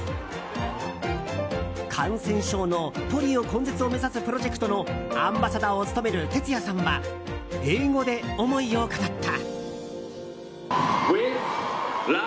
感染症のポリオ根絶を目指すプロジェクトのアンバサダーを務めるＴＥＴＳＵＹＡさんは英語で思いを語った。